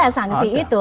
ada sanksi itu